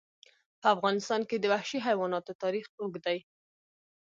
په افغانستان کې د وحشي حیواناتو تاریخ اوږد دی.